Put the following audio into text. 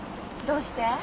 どうして？